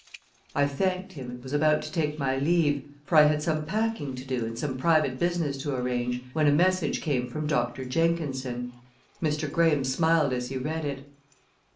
I thanked him and was about to take my leave, for I had some packing to do and some private business to arrange, when a message came from Doctor Jenkinson. Mr. Graham smiled as he read it.